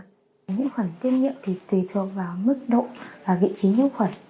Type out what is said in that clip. nhiễm khuẩn tiết niệm thì tùy thuộc vào mức độ và vị trí nhiễm khuẩn